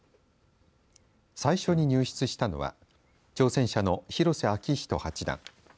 最初に入室したのは挑戦者の広瀬章人八段。